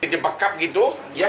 di pekap gitu